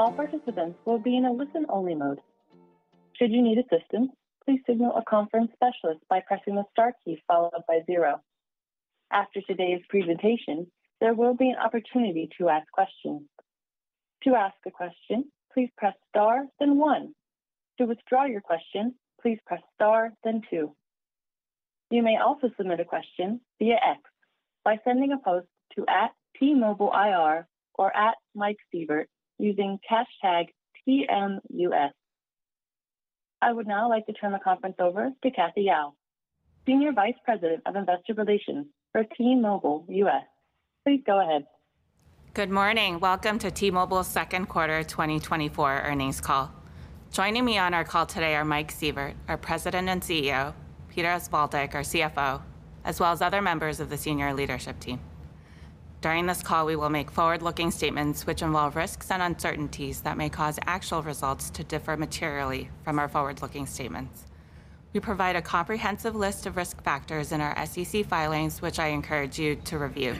All participants will be in a listen-only mode. Should you need assistance, please signal a conference specialist by pressing the star key followed by zero. After today's presentation, there will be an opportunity to ask questions. To ask a question, please press star, then one. To withdraw your question, please press star, then two. You may also submit a question via X by sending a post to @T-MobileIR or @MikeSievert, using #TMUS. I would now like to turn the conference over to Cathy Yao, Senior Vice President of Investor Relations for T-Mobile US. Please go ahead. Good morning. Welcome to T-Mobile's second quarter 2024 earnings call. Joining me on our call today are Mike Sievert, our President and CEO, Peter Osvaldik, our CFO, as well as other members of the senior leadership team. During this call, we will make forward-looking statements which involve risks and uncertainties that may cause actual results to differ materially from our forward-looking statements. We provide a comprehensive list of risk factors in our SEC filings, which I encourage you to review.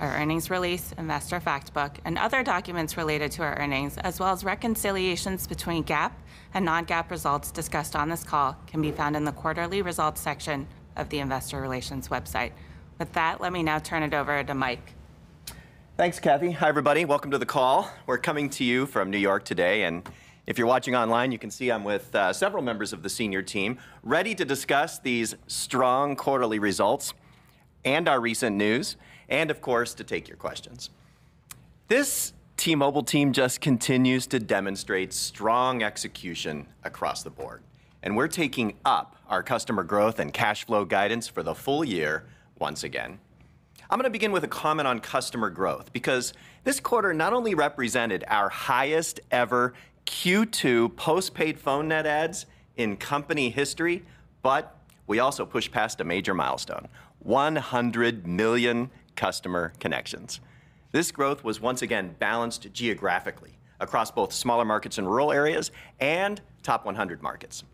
Our earnings release, investor fact book, and other documents related to our earnings, as well as reconciliations between GAAP and non-GAAP results discussed on this call, can be found in the Quarterly Results section of the Investor Relations website. With that, let me now turn it over to Mike. Thanks, Cathy. Hi, everybody. Welcome to the call. We're coming to you from New York today, and if you're watching online, you can see I'm with several members of the senior team, ready to discuss these strong quarterly results and our recent news, and of course, to take your questions. This T-Mobile team just continues to demonstrate strong execution across the board, and we're taking up our customer growth and cash flow guidance for the full year once again. I'm gonna begin with a comment on customer growth, because this quarter not only represented our highest ever Q2 postpaid phone net adds in company history, but we also pushed past a major milestone, 100 million customer connections. This growth was once again balanced geographically across both smaller markets in rural areas and top 100 markets.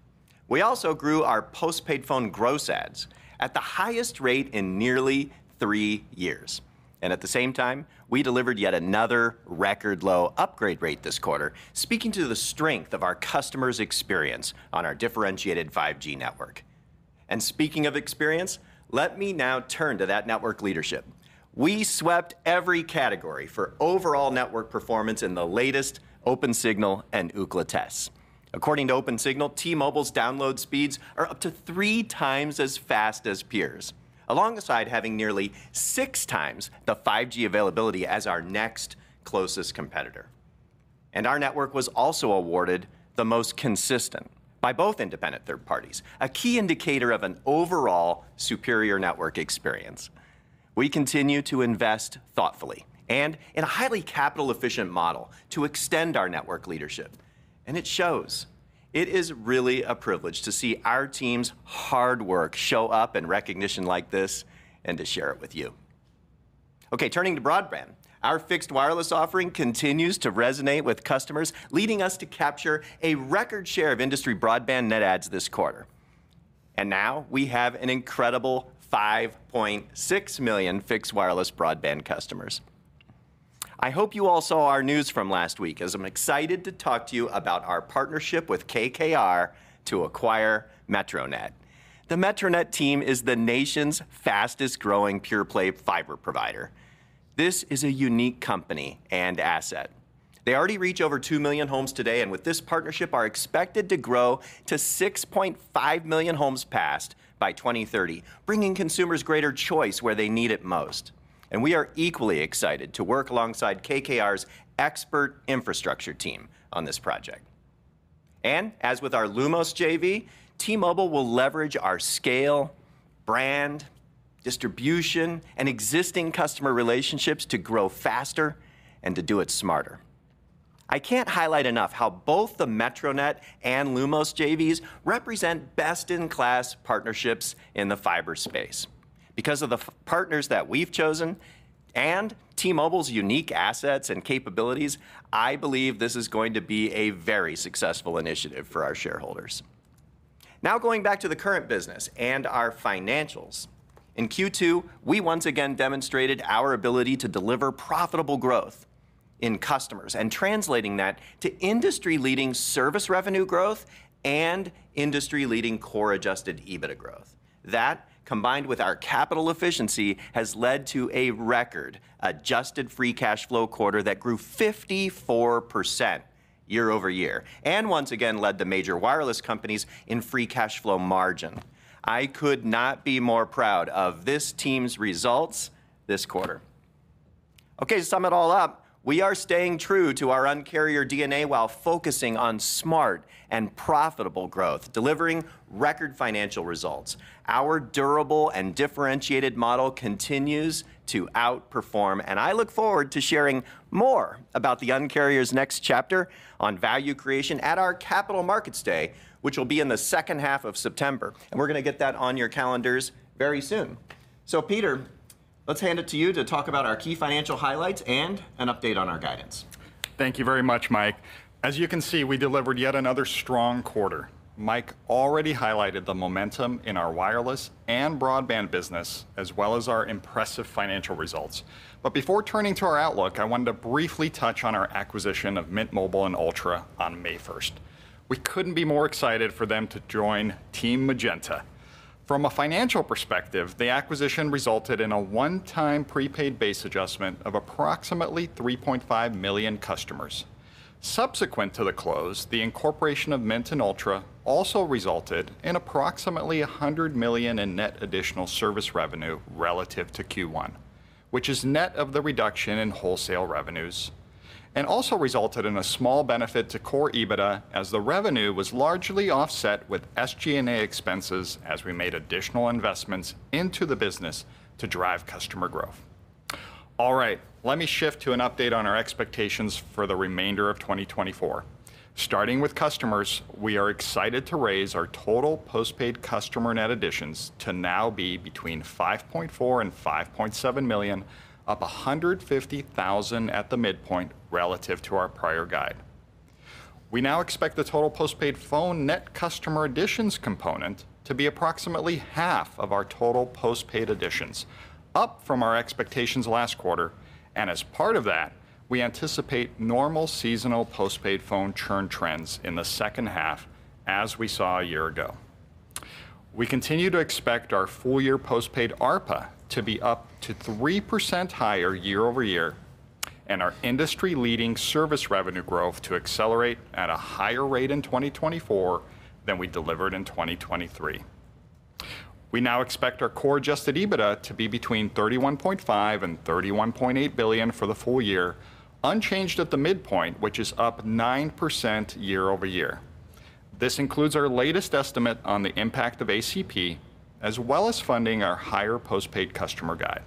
We also grew our postpaid phone gross adds at the highest rate in nearly three years, and at the same time, we delivered yet another record-low upgrade rate this quarter, speaking to the strength of our customers' experience on our differentiated 5G network. Speaking of experience, let me now turn to that network leadership. We swept every category for overall network performance in the latest Opensignal and Ookla tests. According to Opensignal, T-Mobile's download speeds are up to 3x as fast as peers, alongside having nearly 6x the 5G availability as our next closest competitor. Our network was also awarded the most consistent by both independent third parties, a key indicator of an overall superior network experience. We continue to invest thoughtfully and in a highly capital-efficient model to extend our network leadership, and it shows. It is really a privilege to see our team's hard work show up in recognition like this and to share it with you. Okay, turning to broadband. Our fixed wireless offering continues to resonate with customers, leading us to capture a record share of industry broadband net adds this quarter. Now we have an incredible 5.6 million fixed wireless broadband customers. I hope you all saw our news from last week, as I'm excited to talk to you about our partnership with KKR to acquire MetroNet. The MetroNet team is the nation's fastest-growing pure-play fiber provider. This is a unique company and asset. They already reach over 2 million homes today, and with this partnership, are expected to grow to 6.5 million homes passed by 2030, bringing consumers greater choice where they need it most. We are equally excited to work alongside KKR's expert infrastructure team on this project. As with our Lumos JV, T-Mobile will leverage our scale, brand, distribution, and existing customer relationships to grow faster and to do it smarter. I can't highlight enough how both the MetroNet and Lumos JVs represent best-in-class partnerships in the fiber space. Because of the partners that we've chosen and T-Mobile's unique assets and capabilities, I believe this is going to be a very successful initiative for our shareholders. Now, going back to the current business and our financials. In Q2, we once again demonstrated our ability to deliver profitable growth in customers and translating that to industry-leading service revenue growth and industry-leading Core Adjusted EBITDA growth. That, combined with our capital efficiency, has led to a record Adjusted Free Cash Flow quarter that grew 54% year over year and once again led the major wireless companies in free cash flow margin. I could not be more proud of this team's results this quarter. Okay, to sum it all up, we are staying true to our Un-carrier DNA while focusing on smart and profitable growth, delivering record financial results. Our durable and differentiated model continues to outperform, and I look forward to sharing more about the Un-carrier's next chapter on value creation at our Capital Markets Day, which will be in the second half of September. And we're gonna get that on your calendars very soon. So Peter, let's hand it to you to talk about our key financial highlights and an update on our guidance. Thank you very much, Mike. As you can see, we delivered yet another strong quarter. Mike already highlighted the momentum in our wireless and broadband business, as well as our impressive financial results. But before turning to our outlook, I wanted to briefly touch on our acquisition of Mint Mobile and Ultra on May 1st. We couldn't be more excited for them to join Team Magenta. From a financial perspective, the acquisition resulted in a one-time prepaid base adjustment of approximately 3.5 million customers. Subsequent to the close, the incorporation of Mint and Ultra also resulted in approximately $100 million in net additional service revenue relative to Q1, which is net of the reduction in wholesale revenues, and also resulted in a small benefit to core EBITDA, as the revenue was largely offset with SG&A expenses as we made additional investments into the business to drive customer growth. All right. Let me shift to an update on our expectations for the remainder of 2024. Starting with customers, we are excited to raise our total postpaid customer net additions to now be between 5.4 million and 5.7 million, up 150,000 at the midpoint relative to our prior guide. We now expect the total postpaid phone net customer additions component to be approximately half of our total postpaid additions, up from our expectations last quarter, and as part of that, we anticipate normal seasonal postpaid phone churn trends in the second half, as we saw a year ago. We continue to expect our full-year postpaid ARPA to be up to 3% higher year-over-year, and our industry-leading service revenue growth to accelerate at a higher rate in 2024 than we delivered in 2023. We now expect our Core Adjusted EBITDA to be between $31.5 billion and $31.8 billion for the full year, unchanged at the midpoint, which is up 9% year-over-year. This includes our latest estimate on the impact of ACP, as well as funding our higher postpaid customer guide.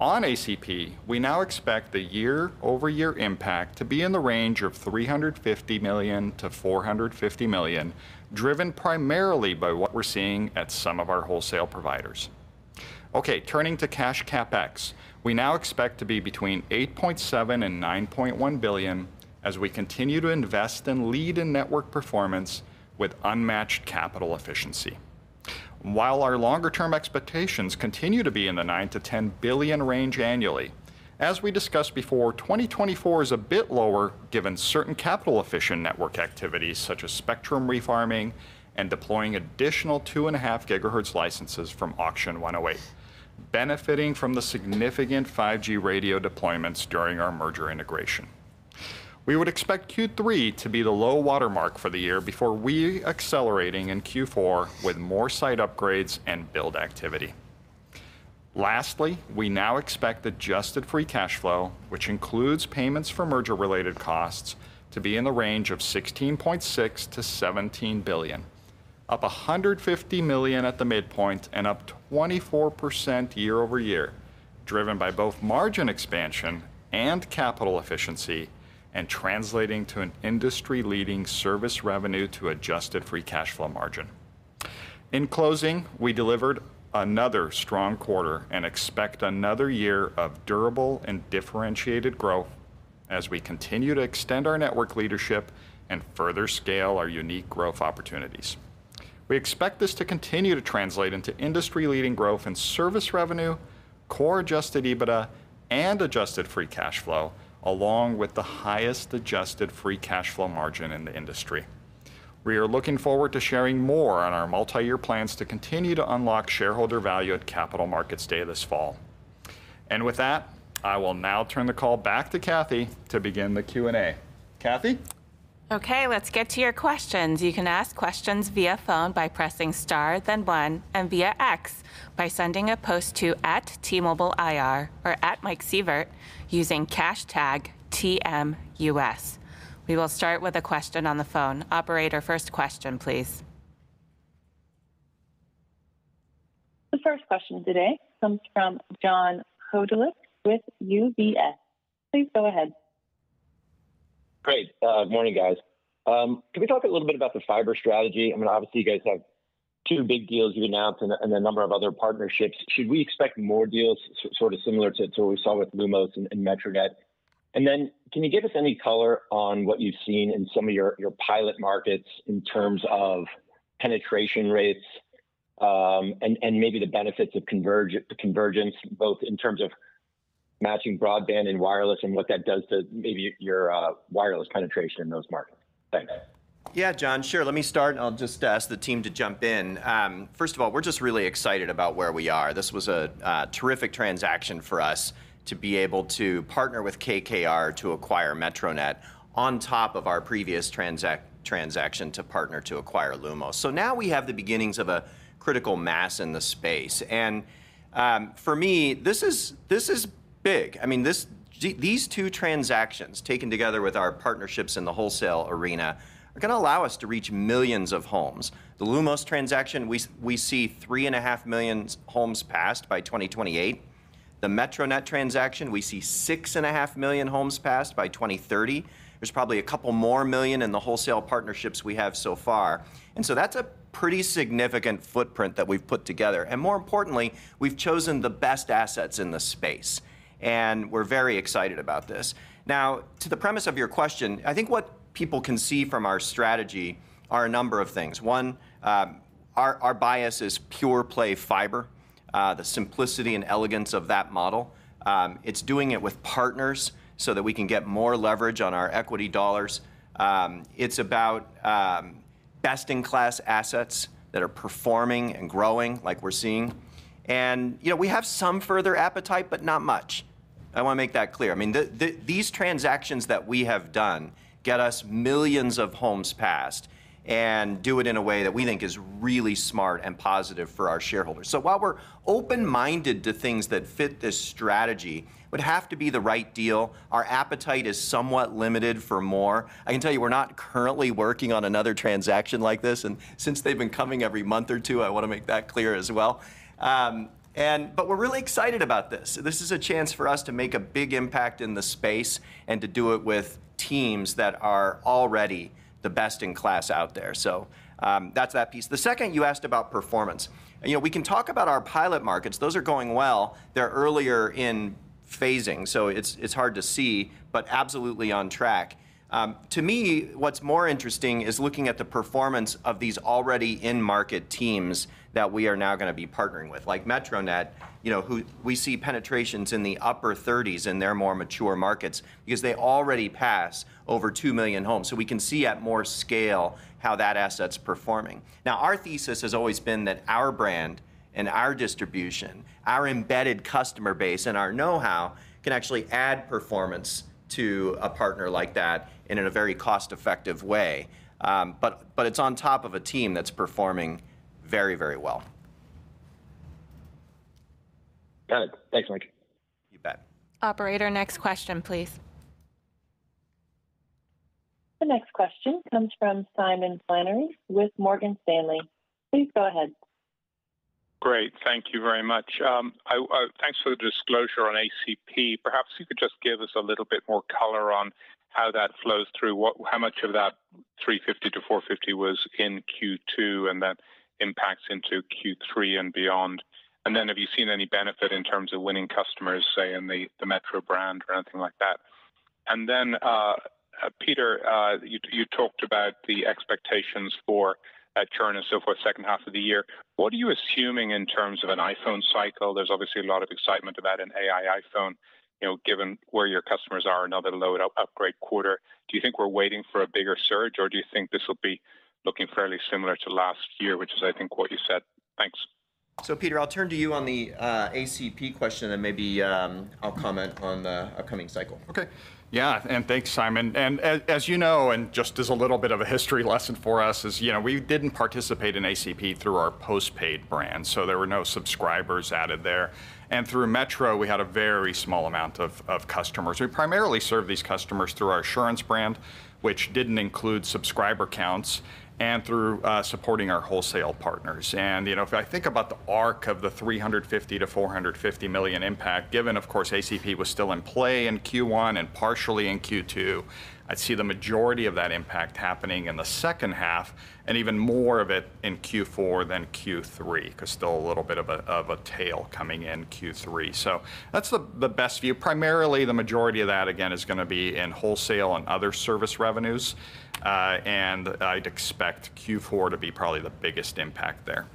On ACP, we now expect the year-over-year impact to be in the range of $350 million-$450 million, driven primarily by what we're seeing at some of our wholesale providers. Okay, turning to cash CapEx, we now expect to be between $8.7 billion-$9.1 billion as we continue to invest in lead and network performance with unmatched capital efficiency. While our longer-term expectations continue to be in the $9 billion-$10 billion range annually, as we discussed before, 2024 is a bit lower, given certain capital-efficient network activities, such as spectrum refarming and deploying additional 2.5 GHz licenses from Auction 108, benefiting from the significant 5G radio deployments during our merger integration. We would expect Q3 to be the low water mark for the year before re-accelerating in Q4 with more site upgrades and build activity. Lastly, we now expect adjusted free cash flow, which includes payments for merger-related costs, to be in the range of $16.6 billion-$17 billion, up $150 million at the midpoint and up 24% year-over-year, driven by both margin expansion and capital efficiency, and translating to an industry-leading service revenue to adjusted free cash flow margin. In closing, we delivered another strong quarter and expect another year of durable and differentiated growth as we continue to extend our network leadership and further scale our unique growth opportunities. We expect this to continue to translate into industry-leading growth in Service Revenue, Core Adjusted EBITDA, and Adjusted Free Cash Flow, along with the highest Adjusted Free Cash Flow margin in the industry. We are looking forward to sharing more on our multi-year plans to continue to unlock shareholder value at Capital Markets Day this fall. And with that, I will now turn the call back to Cathy to begin the Q&A. Cathy? Okay, let's get to your questions. You can ask questions via phone by pressing star, then one, and via X by sending a post to @TMobileIR or @MikeSievert, using hashtag TMUS. We will start with a question on the phone. Operator, first question, please. The first question today comes from John Hodulik with UBS. Please go ahead. Great. Morning, guys. Can we talk a little bit about the fiber strategy? I mean, obviously, you guys have two big deals you've announced and a number of other partnerships. Should we expect more deals sort of similar to what we saw with Lumos and MetroNet? And then can you give us any color on what you've seen in some of your pilot markets in terms of penetration rates, and maybe the benefits of the convergence, both in terms of matching broadband and wireless and what that does to maybe your wireless penetration in those markets? Thanks. Yeah, John, sure. Let me start, and I'll just ask the team to jump in. First of all, we're just really excited about where we are. This was a terrific transaction for us to be able to partner with KKR to acquire MetroNet on top of our previous transaction to partner to acquire Lumos. So now we have the beginnings of a critical mass in the space, and, for me, this is, this is big. I mean, these two transactions, taken together with our partnerships in the wholesale arena, are gonna allow us to reach millions of homes. The Lumos transaction, we see 3.5 million homes passed by 2028. The MetroNet transaction, we see 6.5 million homes passed by 2030. There's probably a couple more million in the wholesale partnerships we have so far, and so that's a pretty significant footprint that we've put together, and more importantly, we've chosen the best assets in the space and we're very excited about this. Now, to the premise of your question, I think what people can see from our strategy are a number of things. One, our bias is pure play fiber, the simplicity and elegance of that model. It's doing it with partners so that we can get more leverage on our equity dollars. It's about best-in-class assets that are performing and growing like we're seeing. And, you know, we have some further appetite, but not much. I wanna make that clear. I mean, these transactions that we have done get us millions of homes passed, and do it in a way that we think is really smart and positive for our shareholders. So while we're open-minded to things that fit this strategy, would have to be the right deal. Our appetite is somewhat limited for more. I can tell you, we're not currently working on another transaction like this, and since they've been coming every month or two, I wanna make that clear as well. But we're really excited about this. This is a chance for us to make a big impact in the space and to do it with teams that are already the best-in-class out there. So, that's that piece. The second, you asked about performance. You know, we can talk about our pilot markets. Those are going well. They're earlier in phasing, so it's hard to see, but absolutely on track. To me, what's more interesting is looking at the performance of these already in-market teams that we are now gonna be partnering with, like MetroNet, you know, who we see penetrations in the upper thirties in their more mature markets because they already pass over 2 million homes. So we can see at more scale how that asset's performing. Now, our thesis has always been that our brand and our distribution, our embedded customer base and our know-how, can actually add performance to a partner like that and in a very cost-effective way. But it's on top of a team that's performing very, very well. Got it. Thanks, Mike. You bet. Operator, next question, please. The next question comes from Simon Flannery with Morgan Stanley. Please go ahead. Great. Thank you very much. Thanks for the disclosure on ACP. Perhaps you could just give us a little bit more color on how that flows through. How much of that $350 million-$450 million was in Q2, and that impacts into Q3 and beyond? And then, have you seen any benefit in terms of winning customers, say, in the Metro brand or anything like that? And then, Peter, you talked about the expectations for churn and so for second half of the year, what are you assuming in terms of an iPhone cycle? There's obviously a lot of excitement about an AI iPhone, you know, given where your customers are, another low upgrade quarter. Do you think we're waiting for a bigger surge, or do you think this will be looking fairly similar to last year, which is, I think, what you said? Thanks. So, Peter, I'll turn to you on the ACP question, and maybe I'll comment on the upcoming cycle. Okay. Yeah, and thanks, Simon. And as you know, and just as a little bit of a history lesson for us, you know, we didn't participate in ACP through our postpaid brand, so there were no subscribers added there. And through Metro, we had a very small amount of customers. We primarily served these customers through our Assurance brand, which didn't include subscriber counts and through supporting our wholesale partners. And, you know, if I think about the arc of the $350 million-$450 million impact, given, of course, ACP was still in play in Q1 and partially in Q2, I'd see the majority of that impact happening in the second half, and even more of it in Q4 than Q3, because still a little bit of a tail coming in Q3. So that's the best view. Primarily, the majority of that, again, is gonna be in wholesale and other service revenues, and I'd expect Q4 to be probably the biggest impact there.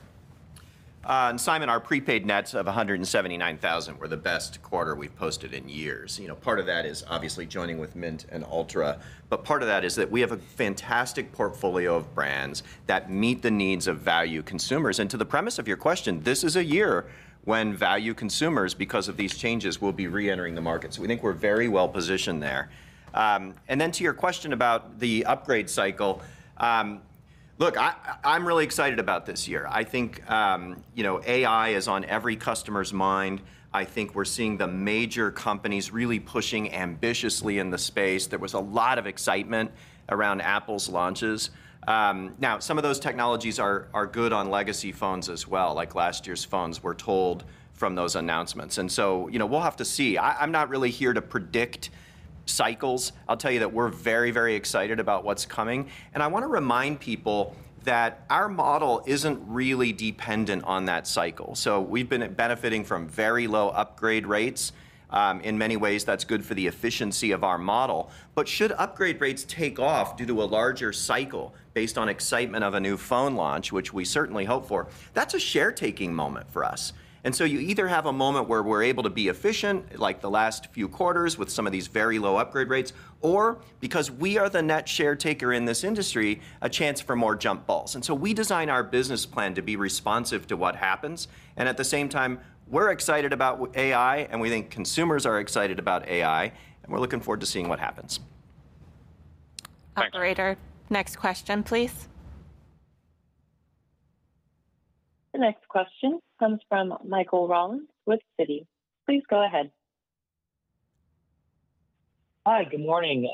And Simon, our prepaid nets of 179,000 were the best quarter we've posted in years. You know, part of that is obviously joining with Mint and Ultra, but part of that is that we have a fantastic portfolio of brands that meet the needs of value consumers. And to the premise of your question, this is a year when value consumers, because of these changes, will be reentering the market. So we think we're very well positioned there. And then to your question about the upgrade cycle, look, I, I'm really excited about this year. I think, you know, AI is on every customer's mind. I think we're seeing the major companies really pushing ambitiously in the space. There was a lot of excitement around Apple's launches. Now, some of those technologies are good on legacy phones as well, like last year's phones, we're told from those announcements. And so, you know, we'll have to see. I'm not really here to predict cycles. I'll tell you that we're very, very excited about what's coming, and I wanna remind people that our model isn't really dependent on that cycle. So we've been benefiting from very low upgrade rates. In many ways, that's good for the efficiency of our model. But should upgrade rates take off due to a larger cycle based on excitement of a new phone launch, which we certainly hope for, that's a share taking moment for us. And so you either have a moment where we're able to be efficient, like the last few quarters, with some of these very low upgrade rates, or because we are the net share taker in this industry, a chance for more jump balls. And so we design our business plan to be responsive to what happens, and at the same time, we're excited about AI, and we think consumers are excited about AI, and we're looking forward to seeing what happens. Operator, next question, please. The next question comes from Michael Rollins with Citi. Please go ahead. Hi, good morning.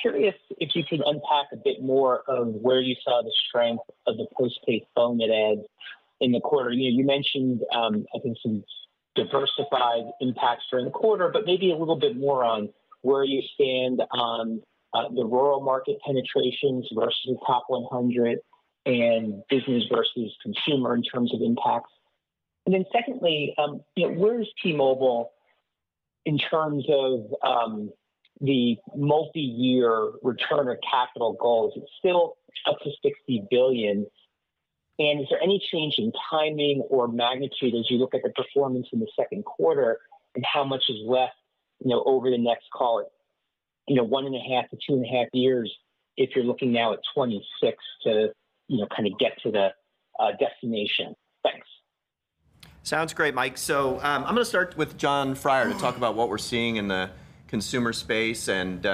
Curious if you could unpack a bit more of where you saw the strength of the postpaid phone net adds in the quarter. You know, you mentioned, I think some diversified impacts during the quarter, but maybe a little bit more on where you stand on the rural market penetrations versus the top 100 and business versus consumer in terms of impacts? And then secondly, you know, where is T-Mobile in terms of the multi-year return on capital goals? It's still up to $60 billion. And is there any change in timing or magnitude as you look at the performance in the second quarter, and how much is left, you know, over the next, call it, you know, one and a half to two and a half years, if you're looking now at 2026 to, you know, kind of get to the destination? Thanks. Sounds great, Mike. So, I'm gonna start with Jon Freier to talk about what we're seeing in the consumer space, and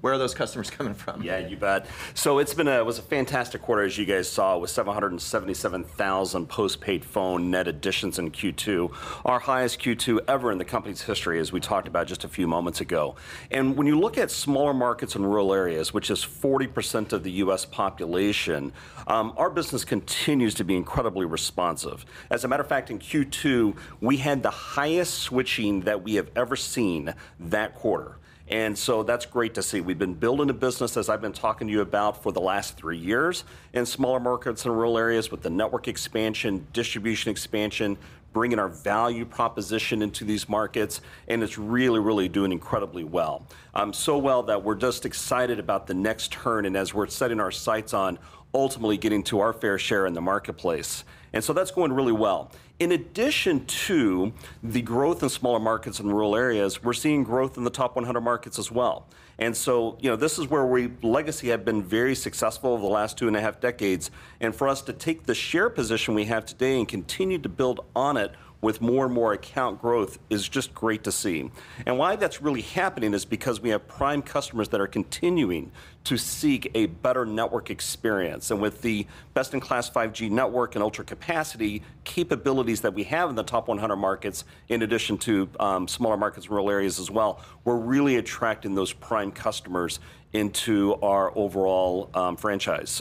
where are those customers coming from? Yeah, you bet. So it was a fantastic quarter, as you guys saw, with 777,000 postpaid phone net additions in Q2, our highest Q2 ever in the company's history, as we talked about just a few moments ago. And when you look at smaller markets in rural areas, which is 40% of the U.S. population, our business continues to be incredibly responsive. As a matter of fact, in Q2, we had the highest switching that we have ever seen that quarter, and so that's great to see. We've been building the business, as I've been talking to you about, for the last 3 years in smaller markets and rural areas, with the network expansion, distribution expansion, bringing our value proposition into these markets, and it's really, really doing incredibly well. So, well, that we're just excited about the next turn, and as we're setting our sights on ultimately getting to our fair share in the marketplace. So that's going really well. In addition to the growth in smaller markets and rural areas, we're seeing growth in the top 100 markets as well. So, you know, this is where we legacy have been very successful over the last 2.5 decades, and for us to take the share position we have today and continue to build on it with more and more account growth is just great to see. And why that's really happening is because we have prime customers that are continuing to seek a better network experience. With the best-in-class 5G network and Ultra Capacity capabilities that we have in the top 100 markets, in addition to smaller markets, rural areas as well, we're really attracting those prime customers into our overall franchise.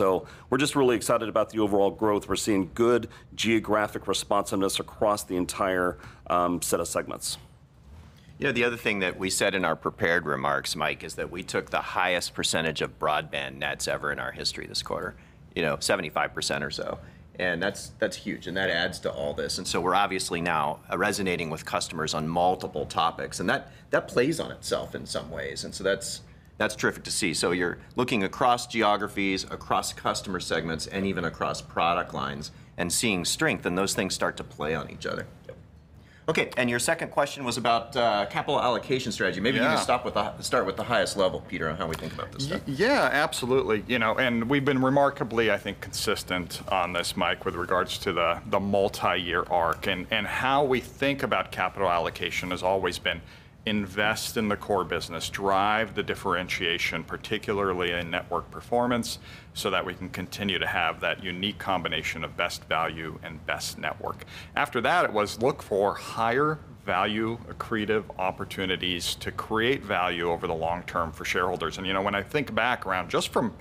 We're just really excited about the overall growth. We're seeing good geographic responsiveness across the entire set of segments. Yeah, the other thing that we said in our prepared remarks, Mike, is that we took the highest percentage of broadband nets ever in our history this quarter. You know, 75% or so, and that's, that's huge, and that adds to all this. And so we're obviously now resonating with customers on multiple topics, and that, that plays on itself in some ways, and so that's, that's terrific to see. So you're looking across geographies, across customer segments, and even across product lines, and seeing strength, and those things start to play on each other. Okay, and your second question was about capital allocation strategy. Maybe you can start with the highest level, Peter, on how we think about this stuff. Yeah, absolutely. You know, and we've been remarkably, I think, consistent on this, Mike, with regards to the, the multi-year arc. And, and how we think about capital allocation has always been invest in the core business, drive the differentiation, particularly in network performance, so that we can continue to have that unique combination of best value and best network. After that, it was look for higher value accretive opportunities to create value over the long-term for shareholders. And, you know, when I think back around just from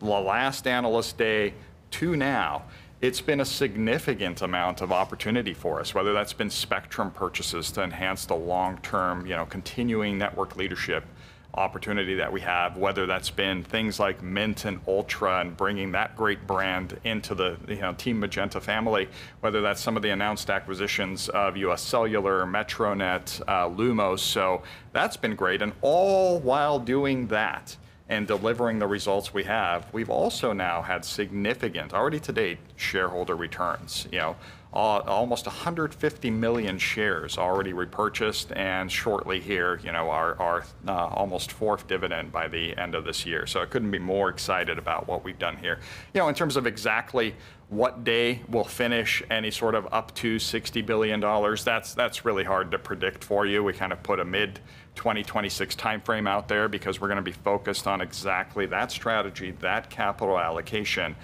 the last Analyst Day to now, it's been a significant amount of opportunity for us, whether that's been spectrum purchases to enhance the long-term, you know, continuing network leadership opportunity that we have, whether that's been things like Mint and Ultra and bringing that great brand into the, you know, Team Magenta family, whether that's some of the announced acquisitions of UScellular, MetroNet, Lumos. So that's been great, and all while doing that and delivering the results we have, we've also now had significant, already to date, shareholder returns. You know, almost 150 million shares already repurchased, and shortly here, you know, our almost fourth dividend by the end of this year. So I couldn't be more excited about what we've done here. You know, in terms of exactly what day we'll finish any sort of up to $60 billion, that's, that's really hard to predict for you. We kind of put a mid-2026 timeframe out there, because we're gonna be focused on exactly that strategy, that capital allocation.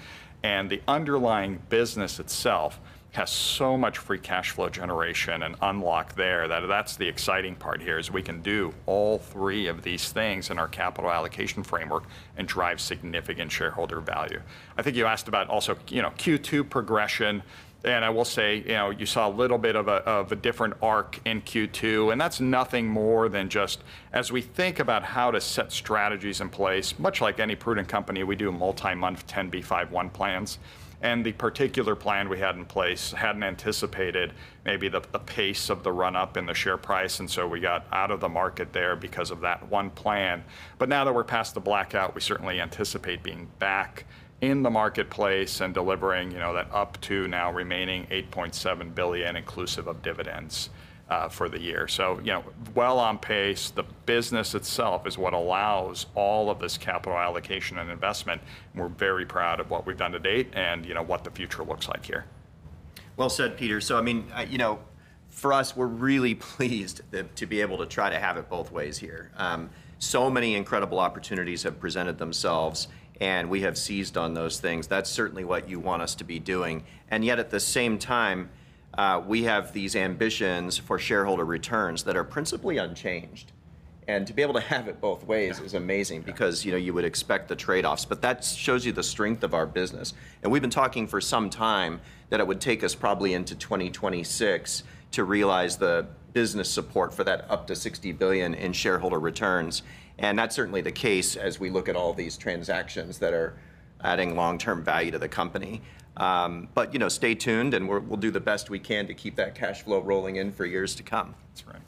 And the underlying business itself has so much free cash flow generation and unlock there, that that's the exciting part here, is we can do all three of these things in our capital allocation framework and drive significant shareholder value. I think you asked about also, you know, Q2 progression, and I will say, you know, you saw a little bit of a, of a different arc in Q2, and that's nothing more than just as we think about how to set strategies in place, much like any prudent company, we do multi-month 10b5-1 plans. The particular plan we had in place hadn't anticipated maybe the, the pace of the run-up in the share price, and so we got out of the market there because of that one plan. But now that we're past the blackout, we certainly anticipate being back in the marketplace and delivering, you know, that up to now remaining $8.7 billion, inclusive of dividends, for the year. So, you know, well on pace, the business itself is what allows all of this capital allocation and investment, and we're very proud of what we've done to date and, you know, what the future looks like here. Well said, Peter. So I mean, you know, for us, we're really pleased to be able to try to have it both ways here. So many incredible opportunities have presented themselves, and we have seized on those things. That's certainly what you want us to be doing. And yet, at the same time, we have these ambitions for shareholder returns that are principally unchanged. And to be able to have it both ways is amazing, because, you know, you would expect the trade-offs, but that shows you the strength of our business. And we've been talking for some time that it would take us probably into 2026 to realize the business support for that up to $60 billion in shareholder returns, and that's certainly the case as we look at all these transactions that are adding long-term value to the company. But, you know, stay tuned, and we'll do the best we can to keep that cash flow rolling in for years to come. That's right.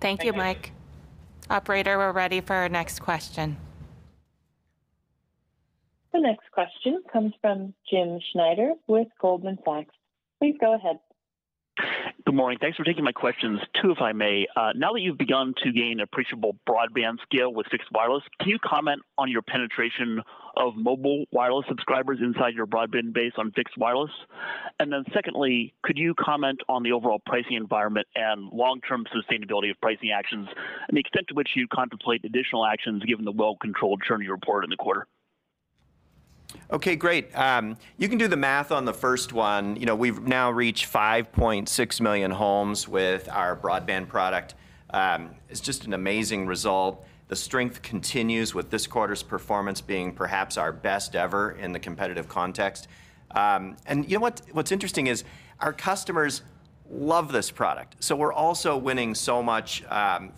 Thank you, Mike. Operator, we're ready for our next question. The next question comes from Jim Schneider with Goldman Sachs. Please go ahead. Good morning. Thanks for taking my questions. Two, if I may. Now that you've begun to gain appreciable broadband scale with fixed wireless, can you comment on your penetration of mobile wireless subscribers inside your broadband base on fixed wireless? And then secondly, could you comment on the overall pricing environment and long-term sustainability of pricing actions, and the extent to which you contemplate additional actions, given the well-controlled churn you reported in the quarter? Okay, great. You can do the math on the first one. You know, we've now reached 5.6 million homes with our broadband product. It's just an amazing result. The strength continues, with this quarter's performance being perhaps our best ever in the competitive context. And you know what- what's interesting is, our customers love this product, so we're also winning so much great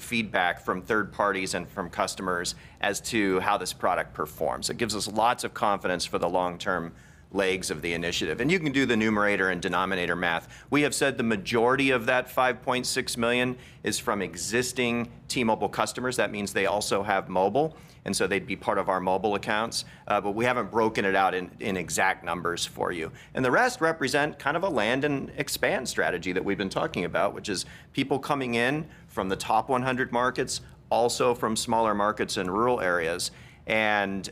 feedback from third-parties and from customers as to how this product performs. It gives us lots of confidence for the long-term legs of the initiative, and you can do the numerator and denominator math. We have said the majority of that 5.6 million is from existing T-Mobile customers. That means they also have mobile, and so they'd be part of our mobile accounts, but we haven't broken it out in exact numbers for you. And the rest represent kind of a land and expand strategy that we've been talking about, which is people coming in from the top 100 markets, also from smaller markets in rural areas, and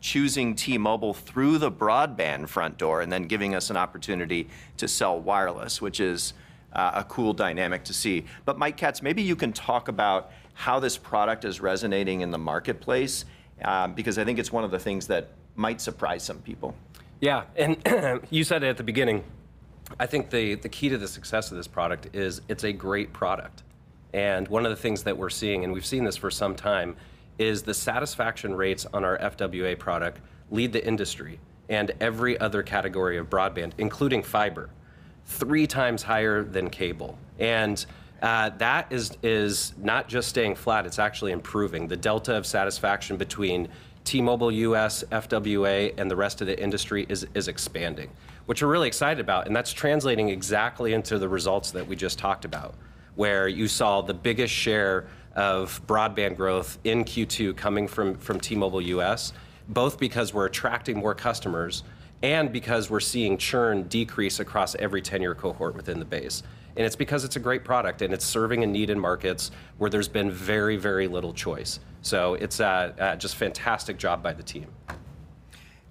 choosing T-Mobile through the broadband front door, and then giving us an opportunity to sell wireless, which is a cool dynamic to see. But Mike Katz, maybe you can talk about how this product is resonating in the marketplace, because I think it's one of the things that might surprise some people. Yeah, and you said it at the beginning. I think the, the key to the success of this product is, it's a great product. And one of the things that we're seeing, and we've seen this for some time, is the satisfaction rates on our FWA product lead the industry and every other category of broadband, including fiber, 3x higher than cable. And that is not just staying flat, it's actually improving. The delta of satisfaction between T-Mobile US FWA and the rest of the industry is expanding, which we're really excited about, and that's translating exactly into the results that we just talked about, where you saw the biggest share of broadband growth in Q2 coming from T-Mobile US, both because we're attracting more customers and because we're seeing churn decrease across every tenure cohort within the base. It's because it's a great product, and it's serving a need in markets where there's been very, very little choice. So it's just a fantastic job by the team.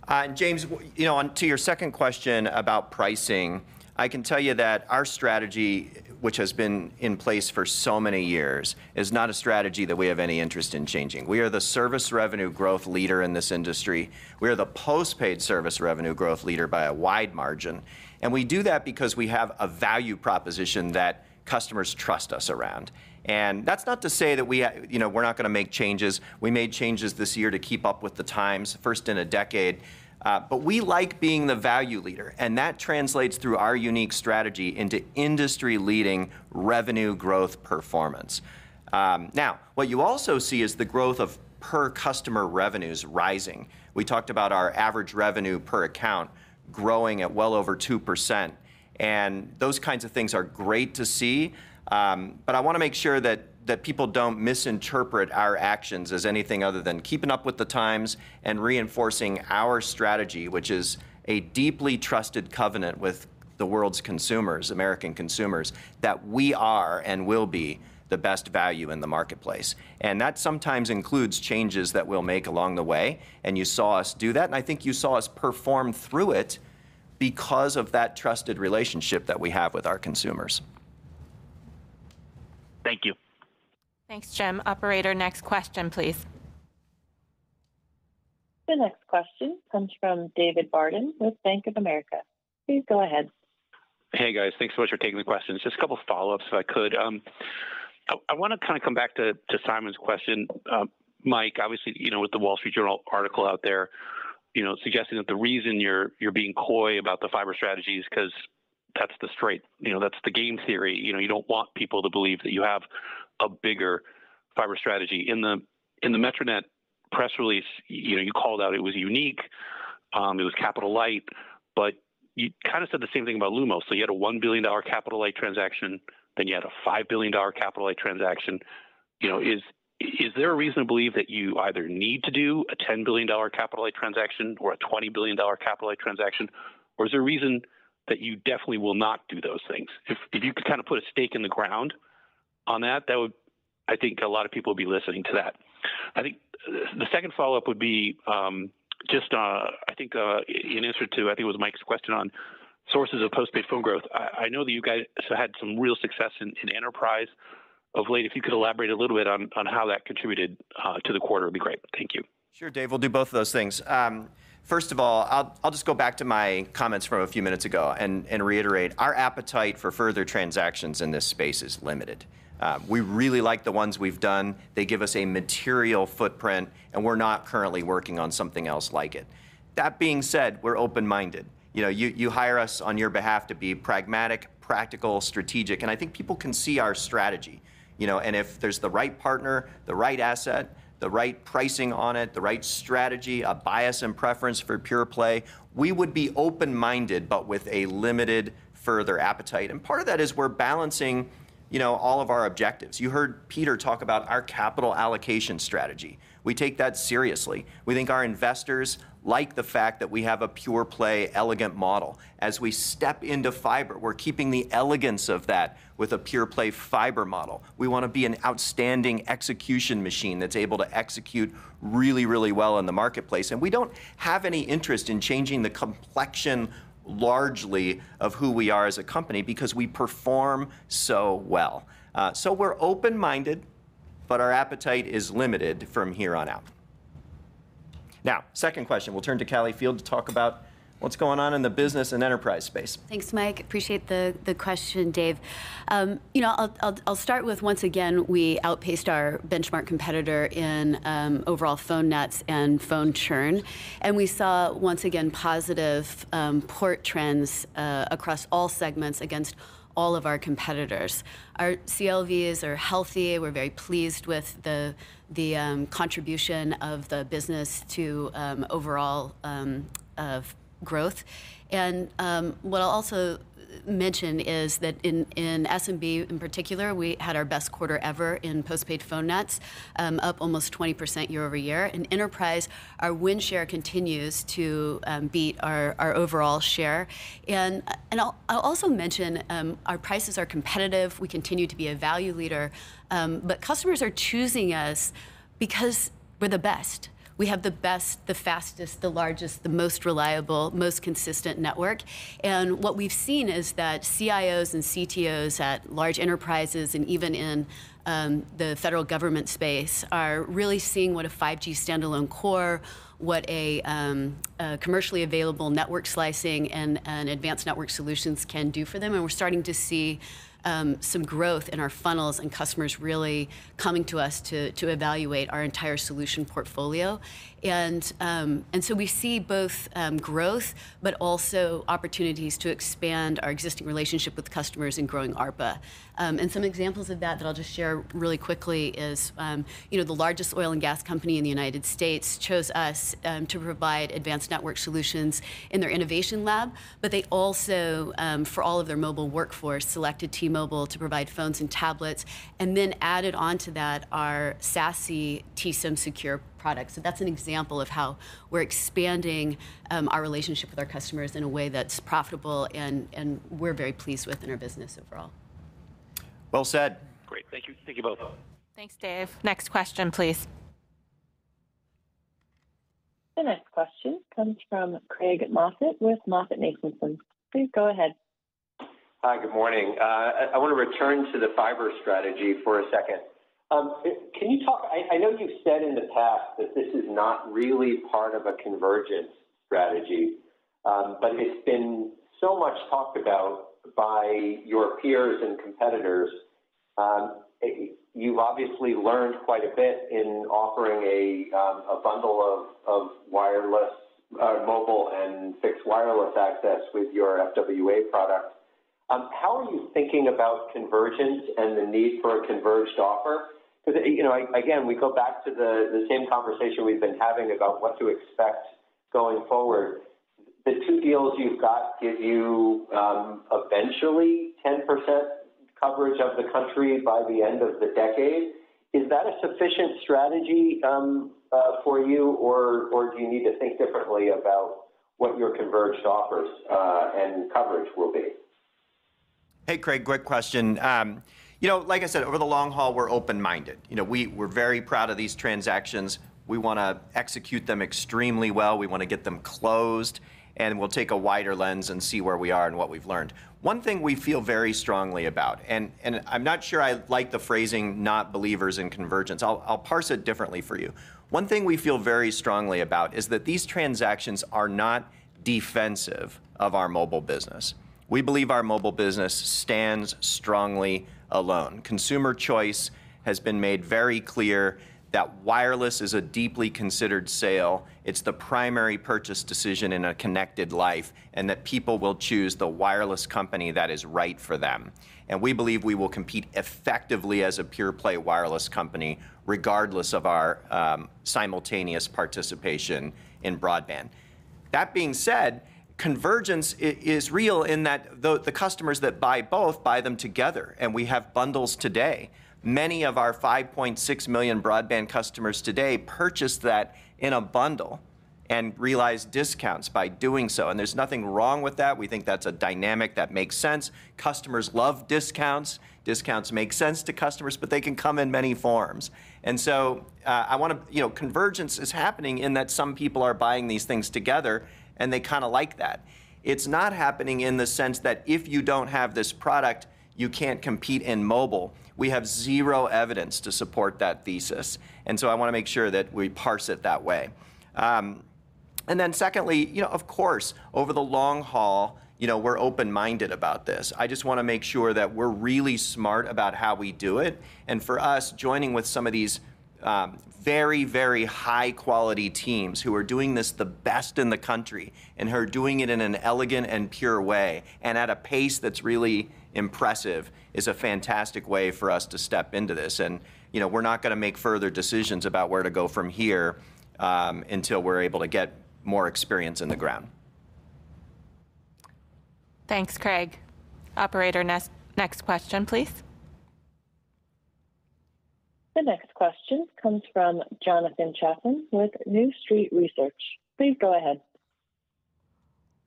And James, you know, on to your second question about pricing, I can tell you that our strategy, which has been in place for so many years, is not a strategy that we have any interest in changing. We are the Service Revenue growth leader in this industry. We are the postpaid Service Revenue growth leader by a wide margin, and we do that because we have a value proposition that customers trust us around. And that's not to say that we, you know, we're not gonna make changes. We made changes this year to keep up with the times, first in a decade. But we like being the value leader, and that translates through our unique strategy into industry-leading revenue growth performance. Now, what you also see is the growth of per-customer revenues rising. We talked about our average revenue per account growing at well over 2%, and those kinds of things are great to see. But I wanna make sure that people don't misinterpret our actions as anything other than keeping up with the times and reinforcing our strategy, which is a deeply trusted covenant with the world's consumers, American consumers, that we are and will be the best value in the marketplace. And that sometimes includes changes that we'll make along the way, and you saw us do that, and I think you saw us perform through it because of that trusted relationship that we have with our consumers. Thank you. Thanks, Jim. Operator, next question, please. The next question comes from David Barden with Bank of America. Please go ahead. Hey, guys. Thanks so much for taking the questions. Just a couple follow-ups, if I could. I wanna kind of come back to Simon's question. Mike, obviously, you know, with the Wall Street Journal article out there, you know, suggesting that the reason you're being coy about the fiber strategy is 'cause that's the straight. You know, that's the game theory. You know, you don't want people to believe that you have a bigger fiber strategy. In the MetroNet press release, you know, you called out it was unique, it was capital light, but you kind of said the same thing about Lumos. So you had a $1 billion capital light transaction, then you had a $5 billion capital light transaction. You know, is there a reason to believe that you either need to do a $10 billion capital light transaction or a $20 billion capital light transaction? Is there a reason that you definitely will not do those things? If you could kind of put a stake in the ground on that, that would. I think a lot of people would be listening to that. I think the second follow-up would be, just, in answer to, I think it was Mike's question on sources of postpaid phone growth. I know that you guys had some real success in enterprise of late. If you could elaborate a little bit on how that contributed to the quarter, it'd be great. Thank you. Sure, Dave, we'll do both of those things. First of all, I'll just go back to my comments from a few minutes ago and reiterate, our appetite for further transactions in this space is limited. We really like the ones we've done. They give us a material footprint, and we're not currently working on something else like it. That being said, we're open-minded. You know, you hire us on your behalf to be pragmatic, practical, strategic, and I think people can see our strategy, you know. And if there's the right partner, the right asset, the right pricing on it, the right strategy, a bias and preference for pure play, we would be open-minded, but with a limited further appetite. And part of that is we're balancing, you know, all of our objectives. You heard Peter talk about our capital allocation strategy. We take that seriously. We think our investors like the fact that we have a pure play, elegant model. As we step into fiber, we're keeping the elegance of that with a pure play fiber model. We want to be an outstanding execution machine that's able to execute really, really well in the marketplace, and we don't have any interest in changing the complexion largely of who we are as a company because we perform so well. So we're open-minded, but our appetite is limited from here on out. Now, second question, we'll turn to Callie Field to talk about what's going on in the business and enterprise space. Thanks, Mike. Appreciate the question, Dave. You know, I'll start with, once again, we outpaced our benchmark competitor in overall phone nets and phone churn, and we saw, once again, positive port trends across all segments against all of our competitors. Our CLVs are healthy. We're very pleased with the contribution of the business to overall of growth. And what I'll also mention is that in SMB, in particular, we had our best quarter ever in postpaid phone nets up almost 20% year-over-year. In enterprise, our win share continues to beat our overall share. And I'll also mention our prices are competitive. We continue to be a value leader, but customers are choosing us because we're the best. We have the best, the fastest, the largest, the most reliable, most consistent network. And what we've seen is that CIOs and CTOs at large enterprises and even in the federal government space are really seeing what a 5G standalone core, what a commercially available network slicing and advanced network solutions can do for them. And we're starting to see some growth in our funnels and customers really coming to us to evaluate our entire solution portfolio. And so we see both growth, but also opportunities to expand our existing relationship with customers in growing ARPA. And some examples of that that I'll just share really quickly is, you know, the largest oil and gas company in the United States chose us to provide Advanced Network Solutions in their innovation lab, but they also, for all of their mobile workforce, selected T-Mobile to provide phones and tablets, and then added on to that our SASE T-SIMsecure product. So that's an example of how we're expanding our relationship with our customers in a way that's profitable, and we're very pleased with in our business overall. Well said. Great. Thank you. Thank you, both. Thanks, Dave. Next question, please. The next question comes from Craig Moffett with MoffettNathanson. Please go ahead. Hi, good morning. I want to return to the fiber strategy for a second. I know you've said in the past that this is not really part of a convergence strategy, but it's been so much talked about by your peers and competitors. You've obviously learned quite a bit in offering a bundle of wireless mobile and fixed wireless access with your FWA product. How are you thinking about convergence and the need for a converged offer? Because, you know, again, we go back to the same conversation we've been having about what to expect going forward. The two deals you've got give you, eventually, 10% coverage of the country by the end of the decade. Is that a sufficient strategy for you, or do you need to think differently about what your converged offers and coverage will be? Hey, Craig, great question. You know, like I said, over the long haul, we're open-minded. You know, we're very proud of these transactions. We wanna execute them extremely well. We wanna get them closed, and we'll take a wider lens and see where we are and what we've learned. One thing we feel very strongly about, and I'm not sure I like the phrasing, not believers in convergence. I'll parse it differently for you. One thing we feel very strongly about is that these transactions are not defensive of our mobile business. We believe our mobile business stands strongly alone. Consumer choice has been made very clear that wireless is a deeply considered sale. It's the primary purchase decision in a connected life, and that people will choose the wireless company that is right for them. We believe we will compete effectively as a pure play wireless company, regardless of our simultaneous participation in broadband. That being said, convergence is real in that the customers that buy both, buy them together, and we have bundles today. Many of our 5.6 million broadband customers today purchase that in a bundle and realize discounts by doing so, and there's nothing wrong with that. We think that's a dynamic that makes sense. Customers love discounts. Discounts make sense to customers, but they can come in many forms. Convergence is happening in that some people are buying these things together, and they kind of like that. It's not happening in the sense that if you don't have this product, you can't compete in mobile. We have zero evidence to support that thesis, and so I wanna make sure that we parse it that way. And then secondly, you know, of course, over the long haul, you know, we're open-minded about this. I just wanna make sure that we're really smart about how we do it, and for us, joining with some of these, very, very high quality teams who are doing this the best in the country, and who are doing it in an elegant and pure way, and at a pace that's really impressive, is a fantastic way for us to step into this. And, you know, we're not gonna make further decisions about where to go from here, until we're able to get more experience on the ground. Thanks, Craig. Operator, next question, please. The next question comes from Jonathan Chaplin with New Street Research. Please go ahead.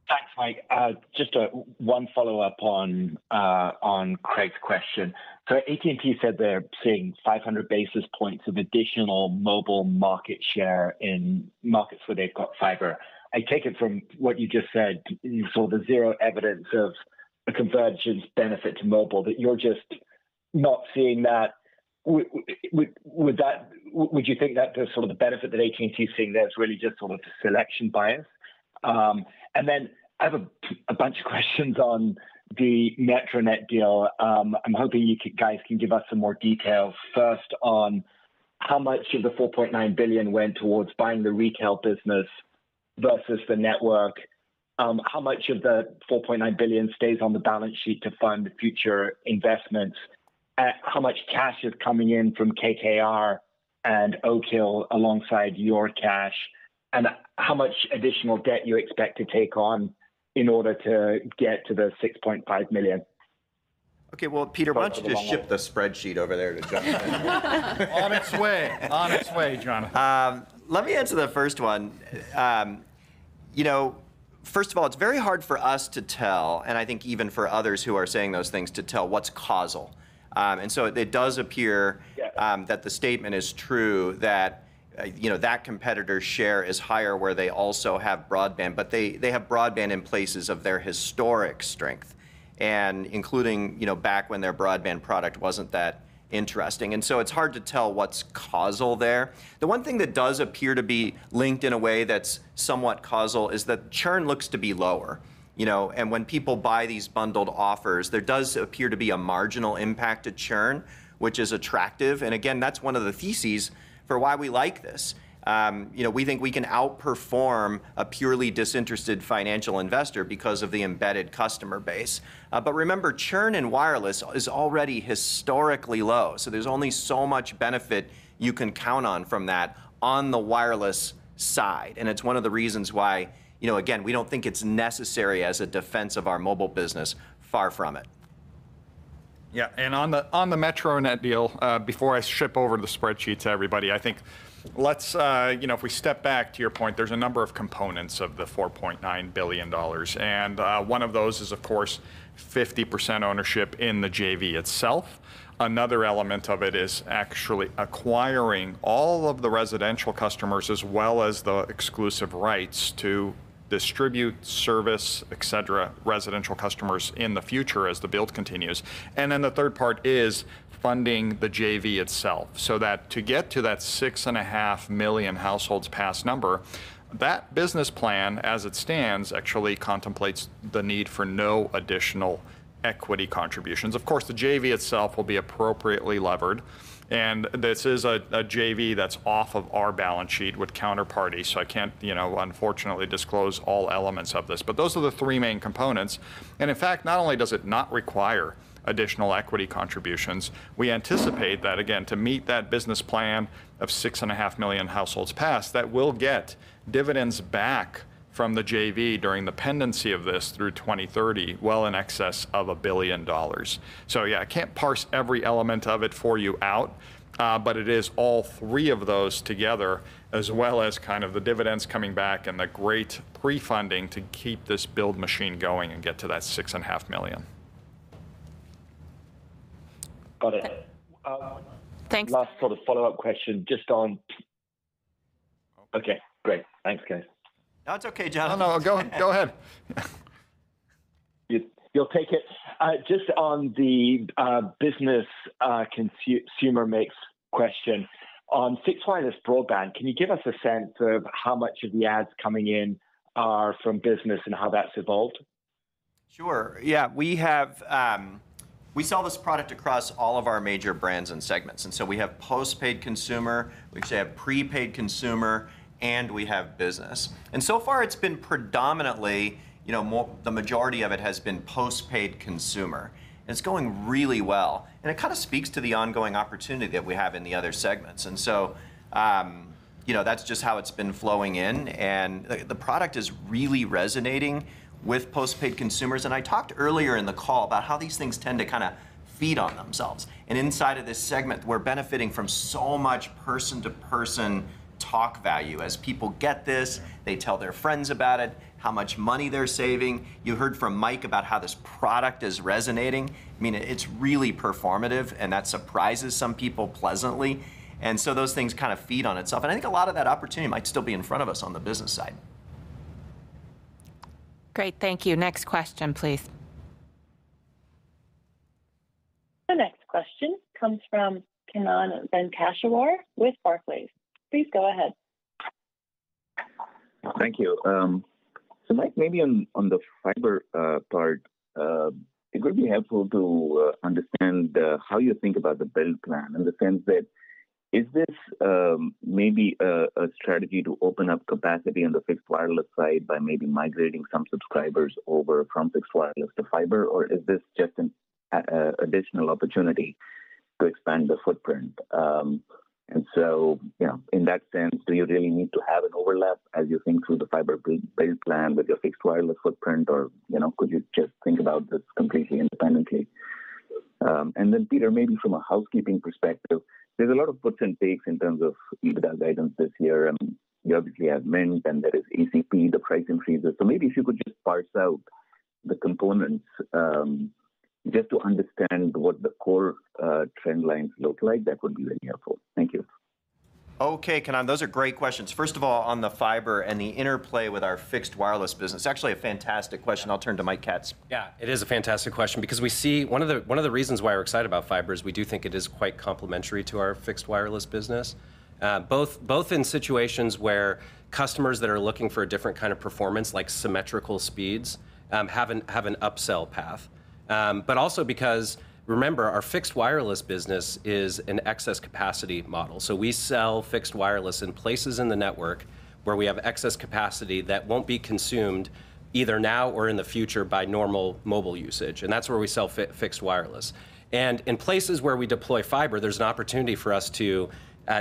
Thanks, Mike. Just one follow-up on Craig's question. So AT&T said they're seeing 500 basis points of additional mobile market share in markets where they've got fiber. I take it from what you just said, you saw zero evidence of a convergence benefit to mobile, that you're just not seeing that. Would you think that the sort of the benefit that AT&T is seeing there is really just sort of selection bias? And then I have a bunch of questions on the MetroNet deal. I'm hoping you guys can give us some more details. First, on how much of the $4.9 billion went towards buying the retail business versus the network? How much of the $4.9 billion stays on the balance sheet to fund the future investments? How much cash is coming in from KKR and Oak Hill alongside your cash? And how much additional debt you expect to take on in order to get to the 6.5 million? Okay, well, Peter, why don't you just ship the spreadsheet over there to Jonathan? On its way. On its way, Jonathan. Let me answer the first one. You know, first of all, it's very hard for us to tell, and I think even for others who are saying those things, to tell what's causal. And so it does appear that the statement is true, that, you know, that competitor's share is higher where they also have broadband, but they, they have broadband in places of their historic strength, and including, you know, back when their broadband product wasn't that interesting. And so it's hard to tell what's causal there. The one thing that does appear to be linked in a way that's somewhat causal is that churn looks to be lower, you know. And when people buy these bundled offers, there does appear to be a marginal impact to churn, which is attractive, and again, that's one of the theses for why we like this. You know, we think we can outperform a purely disinterested financial investor because of the embedded customer base. But remember, churn in wireless is already historically low, so there's only so much benefit you can count on from that on the wireless side. And it's one of the reasons why, you know, again, we don't think it's necessary as a defense of our mobile business, far from it. Yeah, and on the MetroNet deal, before I ship over the spreadsheet to everybody, I think, you know, if we step back, to your point, there's a number of components of the $4.9 billion, and one of those is, of course, 50% ownership in the JV itself. Another element of it is actually acquiring all of the residential customers, as well as the exclusive rights to distribute, service, etc., residential customers in the future as the build continues. And then the third part is funding the JV itself, so that to get to that 6.5 million households pass number, that business plan, as it stands, actually contemplates the need for no additional equity contributions. Of course, the JV itself will be appropriately levered, and this is a JV that's off of our balance sheet with counterparty, so I can't, you know, unfortunately disclose all elements of this. But those are the three main components, and in fact, not only does it not require additional equity contributions, we anticipate that, again, to meet that business plan of 6.5 million households pass, that we'll get dividends back from the JV during the pendency of this through 2030, well in excess of $1 billion. So yeah, I can't parse every element of it for you out, but it is all three of those together, as well as kind of the dividends coming back and the great pre-funding to keep this build machine going and get to that 6.5 million. Got it. Last sort of follow-up question, okay, great. Thanks, guys. No, it's okay, Jonathan, go ahead. You'll take it. Just on the business consumer mix question, on fixed wireless broadband, can you give us a sense of how much of the adds coming in are from business and how that's evolved? Sure. Yeah, we have we sell this product across all of our major brands and segments, and so we have postpaid consumer, we actually have prepaid consumer, and we have business. And so far it's been predominantly, you know, more, the majority of it has been postpaid consumer. It's going really well, and it kind of speaks to the ongoing opportunity that we have in the other segments. And so, you know, that's just how it's been flowing in, and the product is really resonating with postpaid consumers. And I talked earlier in the call about how these things tend to kind of feed on themselves. And inside of this segment, we're benefiting from so much person-to-person talk value. As people get this, they tell their friends about it, how much money they're saving. You heard from Mike about how this product is resonating. I mean, it's really performative, and that surprises some people pleasantly, and so those things kind of feed on itself. I think a lot of that opportunity might still be in front of us on the business side. Great, thank you. Next question, please. The next question comes from Kannan Venkateshwar with Barclays. Please go ahead. Thank you. So Mike, maybe on the fiber part, it could be helpful to understand how you think about the build plan, in the sense that is this maybe a strategy to open up capacity on the fixed wireless side by maybe migrating some subscribers over from fixed wireless to fiber or is this just an additional opportunity to expand the footprint? And so, you know, in that sense, do you really need to have an overlap as you think through the fiber build plan with your fixed wireless footprint, or, you know, could you just think about this completely independently? And then Peter, maybe from a housekeeping perspective, there's a lot of puts and takes in terms of EBITDA guidance this year, and you obviously have Mint, and there is ACP, the price increases. Maybe if you could just parse out the components, just to understand what the core trend lines look like, that would be very helpful. Thank you. Okay, Kannan, those are great questions. First of all, on the fiber and the interplay with our fixed wireless business, actually a fantastic question. I'll turn to Mike Katz. Yeah, it is a fantastic question because we see, one of the reasons why we're excited about fiber is we do think it is quite complementary to our fixed wireless business. Both in situations where customers that are looking for a different kind of performance, like symmetrical speeds, have an upsell path. But also because, remember, our fixed wireless business is an excess capacity model. So we sell fixed wireless in places in the network where we have excess capacity that won't be consumed, either now or in the future, by normal mobile usage, and that's where we sell fixed wireless. And in places where we deploy fiber, there's an opportunity for us to